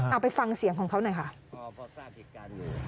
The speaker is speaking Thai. เอาไปฟังเสียงของเขาหน่อยค่ะ